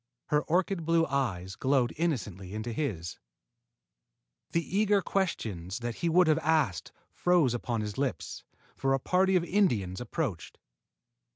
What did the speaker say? Her orchid blue eyes glowed innocently into his. The eager questions that he would have asked froze upon his lips, for a party of Indians approached.